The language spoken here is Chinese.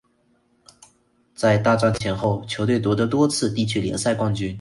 在大战前后球队夺得多次地区联赛冠军。